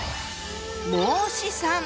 孟子さん！